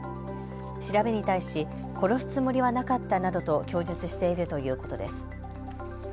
調べに対し殺すつもりはなかったなどと供述しているということです。